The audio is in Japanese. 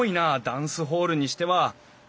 ダンスホールにしては。